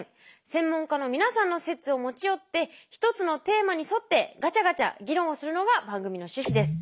専門家の皆さんの説を持ち寄って一つのテーマに沿ってガチャガチャ議論をするのが番組の趣旨です。